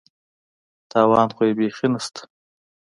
تاوان خو یې بېخي نشته.